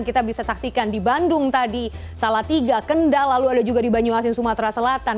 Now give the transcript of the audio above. kita bisa saksikan di bandung tadi salatiga kendal lalu ada juga di banyuasin sumatera selatan